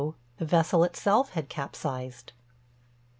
the vessel itself had capsized.